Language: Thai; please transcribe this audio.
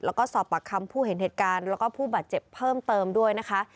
แล้วก็สอบปากคำผู้เห็นเหตุการณ์แล้วก็ผู้บาดเจ็บเพิ่มเติมด้วยนะคะ